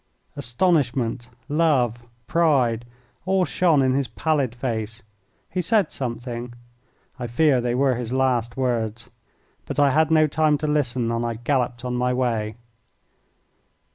Astonishment, love, pride all shone in his pallid face. He said something I fear they were his last words but I had no time to listen, and I galloped on my way.